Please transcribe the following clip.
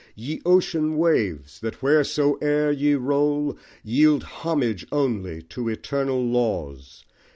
Ye Ocean waves! that wheresoe'er ye roll, Yield homage only to eternal laws!